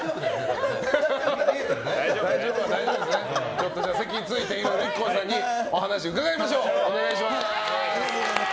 ちょっと席ついていろいろＩＫＫＯさんにお話を伺いましょう。